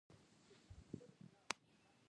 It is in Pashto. سپین کالي اغوستل د عزت نښه ده.